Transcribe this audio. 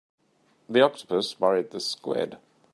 The octopus worried the squid.